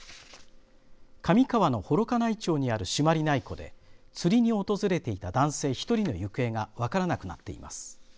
上川の幌加内町にある朱鞠内湖で釣りに訪れていた男性１人の行方が分からなくなっています。